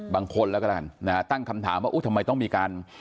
บางคนแล้วก็แล้วกันนะฮะตั้งคำถามว่าทำไมต้องมีการ